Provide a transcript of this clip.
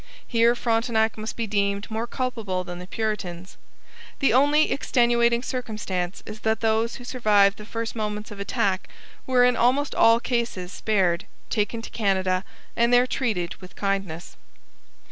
Here Frontenac must be deemed more culpable than the Puritans. The only extenuating circumstance is that those who survived the first moments of attack were in almost all cases spared, taken to Canada, and there treated with kindness.